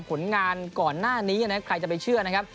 ผลงานก่อนหน้านี้ไงใครจะไปเชื่อ